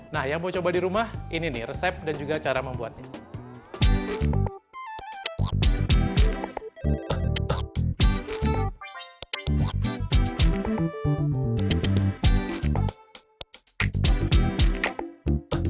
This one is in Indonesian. nah yang mau coba di rumah ini nih resep dan juga cara membuatnya